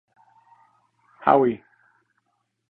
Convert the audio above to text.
Howie!